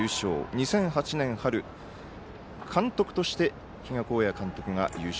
２００８年春、監督として比嘉公也監督が優勝。